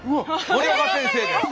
森岡先生です。